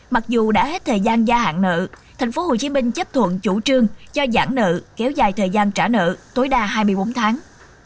mặc dù đã hết thời gian gia hạn nợ tp hcm chấp thuận chủ trương cho giãn nợ kéo dài thời gian trả nợ tối đa hai mươi bốn tháng